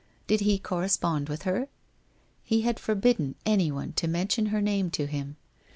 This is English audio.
Did he correspond with her? He had forbidden anyone to mention her name to him.